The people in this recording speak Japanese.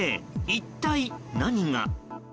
一体何が。